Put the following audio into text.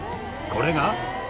これが。